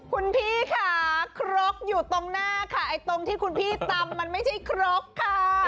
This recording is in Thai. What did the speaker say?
คุณพี่ค่ะครกอยู่ตรงหน้าค่ะไอ้ตรงที่คุณพี่ตำมันไม่ใช่ครกค่ะ